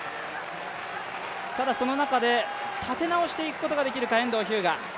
ただその中で立ち直していくことができるか遠藤日向。